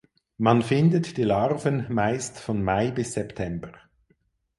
Man findet die Larven meist von Mai bis September.